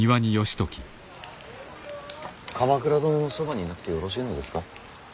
鎌倉殿のそばにいなくてよろしいのですか。